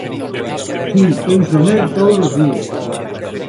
Si, penso nel todos os días.